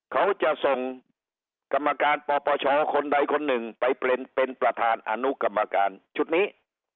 เขาจะส่งกรรมการปปชคนใดคนหนึ่งไปเป็นประธานอนุกรรมการชุดนี้